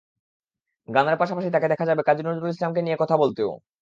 গানের পাশাপাশি তাঁকে দেখা যাবে কাজী নজরুল ইসলামকে নিয়ে কথা বলতেও।